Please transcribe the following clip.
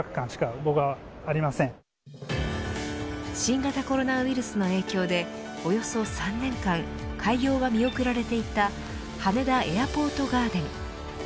新型コロナウイルスの影響でおよそ３年間開業が見送られていた羽田エアポートガーデン。